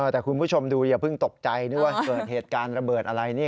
แต่คุณผู้ชมดูอย่าเพิ่งตกใจว่าเกิดเหตุการณ์ระเบิดอะไรนี่